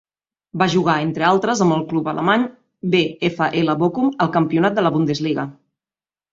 Va jugar, entre altres, amb el club alemany VfL Bochum el campionat de la Bundesliga.